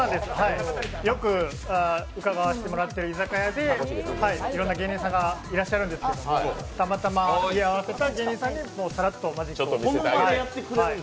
よく伺わせてもらってる居酒屋でいろんな芸人さんいらっしゃるんですけどたまたま居合わせた芸人さんにさらっとマジックを。